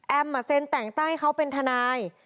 เซ็นแต่งตั้งให้เขาเป็นทนาย